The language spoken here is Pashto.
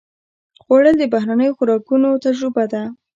خوړل د بهرنیو خوراکونو تجربه ده